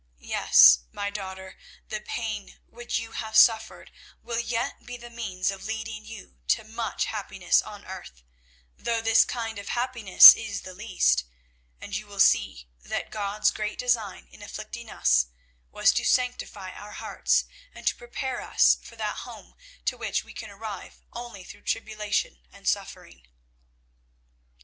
Yes, my daughter, the pain which you have suffered will yet be the means of leading you to much happiness on earth, though this kind of happiness is the least, and you will see that God's great design in afflicting us was to sanctify our hearts, and to prepare us for that home to which we can arrive only through tribulation and suffering.